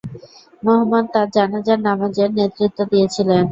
মুহাম্মদ তার জানাজার নামাজের নেতৃত্ব দিয়েছিলেন।